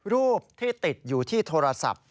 รูปที่ติดอยู่ที่โทรศัพท์